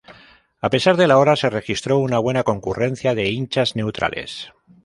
A pesar de la hora, se registró una buena concurrencia de hinchas neutrales.